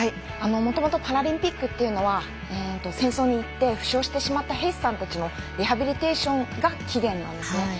もともとパラリンピックというのは戦争に行って負傷してしまった兵士さんたちのリハビリテーションが起源なんですね。